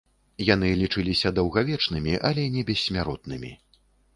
Яны лічыліся даўгавечнымі, але не бессмяротнымі.